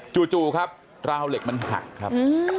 จู่ครับราวเหล็กมันหักครับ